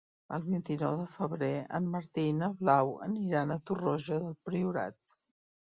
El vint-i-nou de febrer en Martí i na Blau aniran a Torroja del Priorat.